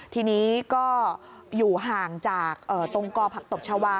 ทีนี้ก็อยู่ห่างจากตรงกอผักตบชาวา